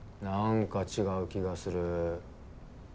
何か違う気がする